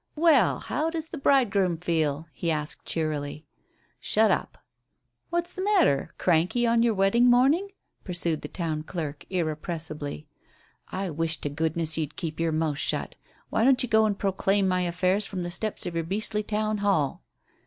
"Well, how does the bridegroom feel?" he asked cheerily. "Shut up!" "What's the matter? Cranky on your wedding morning?" pursued the town clerk irrepressibly. "I wish to goodness you'd keep your mouth shut. Why don't you go and proclaim my affairs from the steps of your beastly Town Hall?"